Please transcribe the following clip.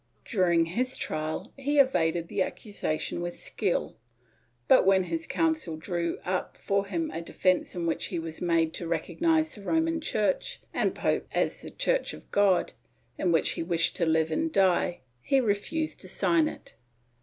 During his trial, he evaded the accusation with skill but, when his counsel drew up for him a defence in which he was made to recognize the Roman Church and pope as the Chm ch of Cod, in which he wished to live and die, he refused to sign it.